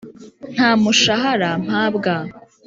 nta mushahara mpabwa